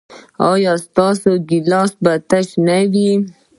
ایا ستاسو ګیلاس به تش نه وي؟